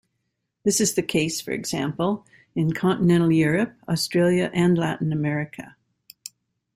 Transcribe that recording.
This is the case, for example, in continental Europe, Australia and Latin America.